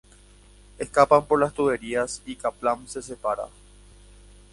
Escapan por las tuberías y Kaplan se separa.